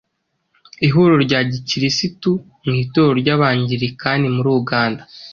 Ihuriro rya Gikirisitu mu Itorero ry’Abangilikani muri Uganda.